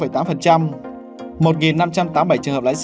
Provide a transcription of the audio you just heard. một năm trăm tám mươi bảy trường hợp lái xe